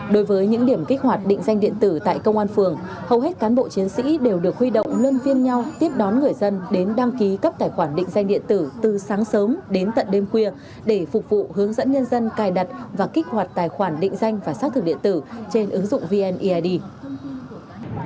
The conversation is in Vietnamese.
đối với những điểm kích hoạt định danh điện tử tại công an phường hầu hết cán bộ chiến sĩ đều được huy động luân viên nhau tiếp đón người dân đến đăng ký cấp tài khoản định danh điện tử từ sáng sớm đến tận đêm khuya để phục vụ hướng dẫn nhân dân cài đặt và kích hoạt tài khoản định danh và xác thực điện tử trên ứng dụng vneid